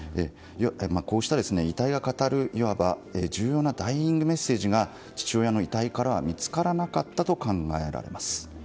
こうした遺体が語る、いわば重要なダイイングメッセージが父親の遺体からは見つからなかったと考えられます。